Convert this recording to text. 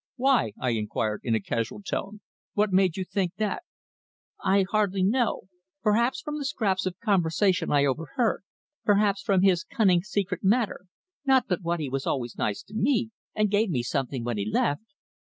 "Why?" I inquired in a casual tone. "What made you think that?" "I hardly know. Perhaps from the scraps of conversation I overheard, perhaps from his cunning, secret manner not but what he was always nice to me, and gave me something when he left."